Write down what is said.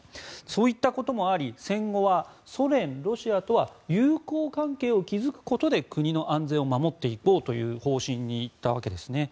そういったこともあり戦後はソ連、ロシアとは友好関係を築くことで国の安全を守っていこうという方針に行ったわけですね。